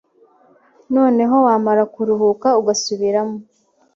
noneho wamara kuruhuka ugasubiramo